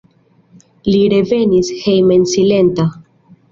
Li revenis hejmen silenta.